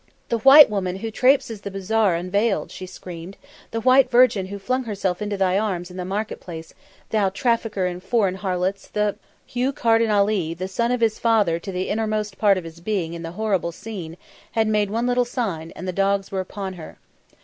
"The white woman who trapeses the bazaar unveiled," she screamed. "The white virgin who flung herself into thy arms, in the market place, thou trafficker in foreign harlots, the " Hugh Carden Ali, the son of his father to the inner most part of his being in the horrible scene, had made one little sign, and the dogs were upon her.